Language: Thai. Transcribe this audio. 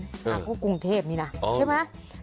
มาเข้ากรุงเทพนี่นะใช่ไหม